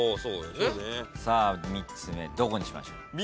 さあ３つ目どこにしましょう？